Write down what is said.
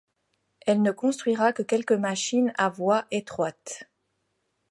Elle ne construira que quelques machines à voie étroite.